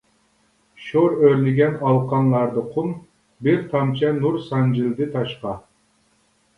شور ئۆرلىگەن ئالىقانلاردا قۇم، بىر تامچە نۇر سانجىلدى تاشقا.